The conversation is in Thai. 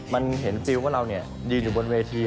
มันเห็นฟิวท์ว่าเราเนี่ยยืนอยู่บนเวที